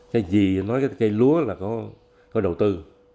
cái gì nói cái cây lúa là có đầu tư